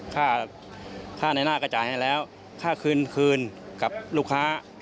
ค่าค่าในหน้าก็จ่ายให้แล้วค่าคืนคืนกับลูกค้า